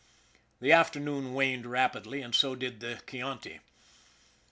The afternoon waned rapidly and so did the Chi anti.